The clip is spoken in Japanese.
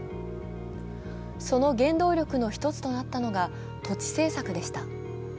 その原動力の１つとなったのが土地政策でした。